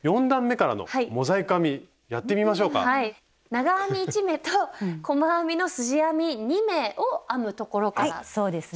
長編み１目と細編みのすじ編み２目を編むところからですね。